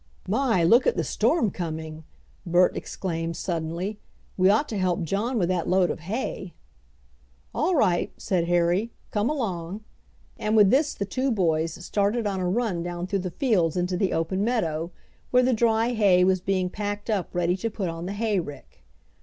"My, look at the storm coming!" Bert exclaimed suddenly. "We ought to help John with that load of hay." "All right," said Harry, "come along!" and with this the two boys started on a run down through the fields into the open meadow, where the dry hay was being packed up ready to put on the hay rick.